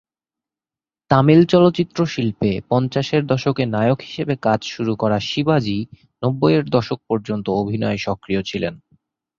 তামিল চলচ্চিত্র শিল্পে পঞ্চাশের দশকে নায়ক হিসেবে কাজ শুরু করা শিবাজি নব্বইয়ের দশক পর্যন্ত অভিনয়ে সক্রিয় ছিলেন।